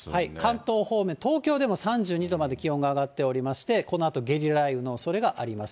関東方面、東京でも３２度まで気温が上がっておりまして、このあと、ゲリラ雷雨のおそれがあります。